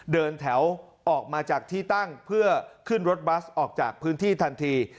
เดินแถวออกมาจากที่ตั้งเพื่อขึ้นรถบัสออกจากพื้นที่ทันที